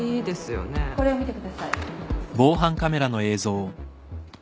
これを見てください。